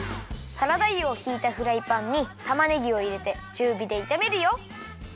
サラダ油をひいたフライパンにたまねぎをいれてちゅうびでいためるよ。